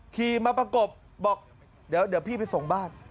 ขี่มาประกบบอกเดี๋ยวพี่ไปส่งบ้าน